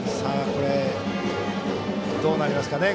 どうなりますかね